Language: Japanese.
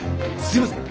すいません。